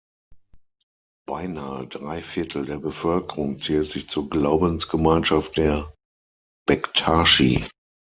Beinahe drei Viertel der Bevölkerung zählt sich zur Glaubensgemeinschaft der Bektaschi.